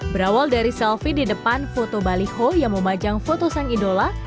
berawal dari selfie di depan foto balikho yang memajang foto sang idola